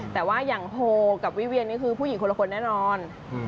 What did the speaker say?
แต่ว่าอย่างโฮกับวิเวียนนี่คือผู้หญิงคนละคนแน่นอน